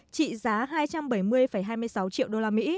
trị giá hai trăm bảy mươi hai mươi sáu triệu usd